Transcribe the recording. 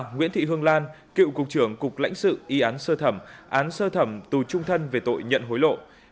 nguyễn thị hương lan cựu cục trưởng cục lãnh sự y án sơ thẩm án sơ thẩm tù trung thân về tội nhận hối lộ